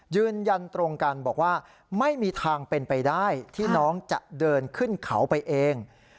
ยืนยันตรงกันบอกว่าไม่มีทางเป็นไปได้ที่น้องจะเดินขึ้นเขาไปเอง